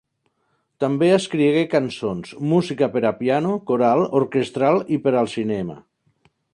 També escrigué cançons, música per a piano, coral, orquestral i per al cinema.